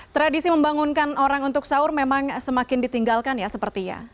tradisi membangunkan orang untuk sahur memang semakin ditinggalkan ya sepertinya